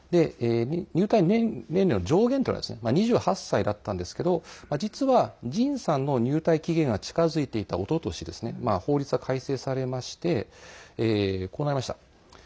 入隊年齢の上限というのは２８歳だったんですけど実はＪＩＮさんの入隊期限が近づいていた、おととし法律が改正されましてこうなりました。